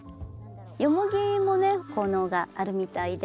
ヨモギもね効能があるみたいで。